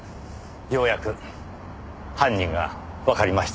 ようやく犯人がわかりました。